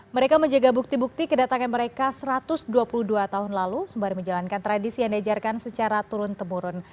mereka menjaga bukti bukti kedatangan mereka satu ratus dua puluh dua tahun lalu sembari menjalankan tradisi yang diajarkan secara turun temurun